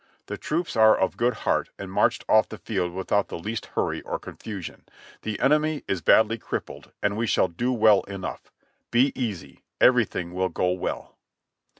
The troops are of good heart and marched off the field without the least hurry or confusion. The enemy is badly crippled and we shall do well enough. Be easy, everything will go well."